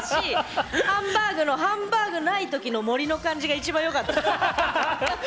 ハンバーグのハンバーグない時の森の感じが一番よかった。